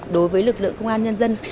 đối với lực lượng công an nhân dân